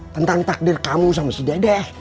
tentang takdir kamu sama si dede